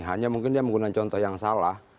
hanya mungkin dia menggunakan contoh yang salah